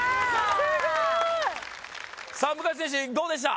すごい！さあ向選手どうでした？